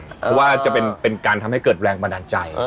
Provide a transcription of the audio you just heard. เพราะว่าจะเป็นการทำให้เกิดแรงบันดาลใจ